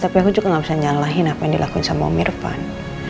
tapi aku juga gak bisa nyalahin apa yang dilakuin sama om irfan